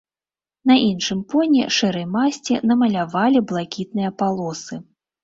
На іншым поні шэрай масці намалявалі блакітныя палосы.